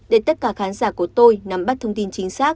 để tất cả khán giả của tôi nắm bắt thông tin chính xác